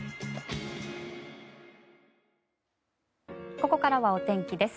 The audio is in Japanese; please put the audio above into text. ここからはお天気です。